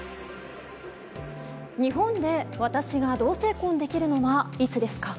日本で私が同性婚できるのはいつですか？